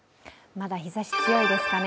まだ日ざし、強いですかね。